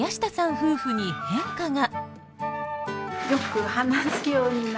夫婦に変化が。